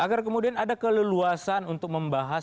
agar kemudian ada keleluasan untuk membahas